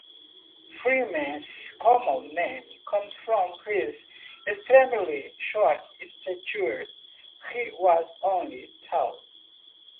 Freeman's common name comes from his extremely short stature - he was only tall.